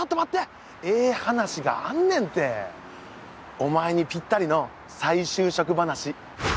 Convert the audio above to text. お前にぴったりの再就職話。